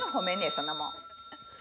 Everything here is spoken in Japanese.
そんなもん。